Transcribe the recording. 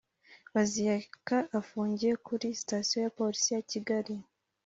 Baziyaka afungiwe kuri Sitasiyo ya Polisi ya Kigali